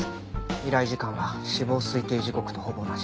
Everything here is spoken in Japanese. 依頼時間は死亡推定時刻とほぼ同じ。